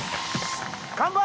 乾杯！